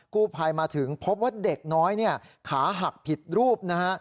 กู้ภัยมาถึงพบว่าเด็กน้อยเนี่ยขาหักผิดรูปนะฮะ